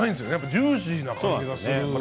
ジューシーな感じがする。